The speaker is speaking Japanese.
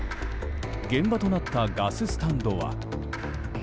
現場となったガススタンドは。